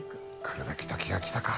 来るべきときが来たか。